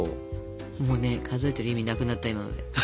もうね数えている意味なくなった今ので。